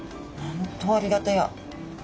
本当ありがたや。